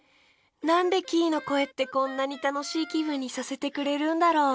なんでキイのこえってこんなにたのしいきぶんにさせてくれるんだろう。